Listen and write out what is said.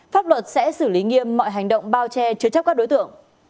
pháp luật sẽ xử lý nghiêm mọi hành động bao che chứa chấp các đối tượng